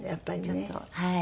ちょっとはい。